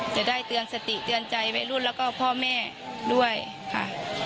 จะได้เตือนสติเตือนใจวัยรุ่นแล้วก็พ่อแม่ด้วยค่ะ